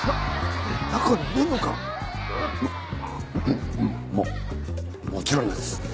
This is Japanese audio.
も。ももちろんです。